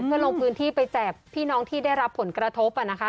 เพื่อลงพื้นที่ไปแจกพี่น้องที่ได้รับผลกระทบ